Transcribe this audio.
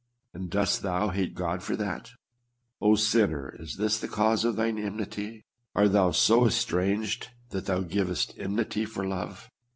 And dost thou hate God for that ? Oh, sinner ! is tMs the cause of thine enmity? Art thou so estranged that thou givest enmity for love